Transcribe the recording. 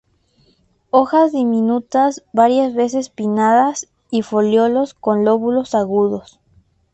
Hojas diminutas, varias veces pinnadas y foliolos con lóbulos agudos.